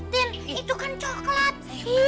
din itu kan coklat